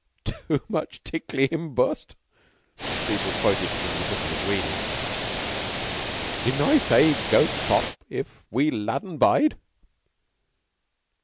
"Too much ticklee, him bust," Beetle quoted from a book of his reading. "Didn't I say he'd go pop if we lat un bide?"